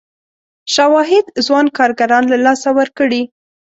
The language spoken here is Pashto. شواهد ځوان کارګران له لاسه ورکړي.